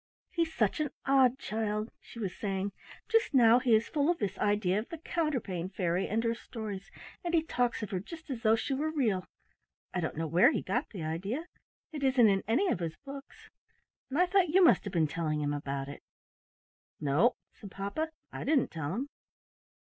"He's such an odd child," she was saying; "just now he is full of this idea of the Counterpane Fairy and her stories, and he talks of her just as though she were real. I don't know where he got the idea. It isn't in any of his book and I thought you must have been telling him about it." "No," said papa, "I didn't tell him."